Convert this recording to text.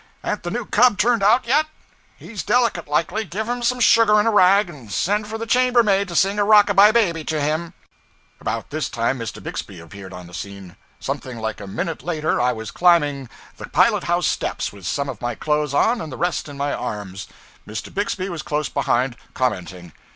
an't the new cub turned out yet? He's delicate, likely. Give him some sugar in a rag and send for the chambermaid to sing rock a by baby to him.' About this time Mr. Bixby appeared on the scene. Something like a minute later I was climbing the pilot house steps with some of my clothes on and the rest in my arms. Mr. Bixby was close behind, commenting.